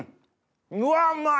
うわうまい！